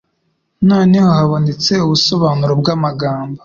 Noneho habonetse ubusobanuro bw'amagambo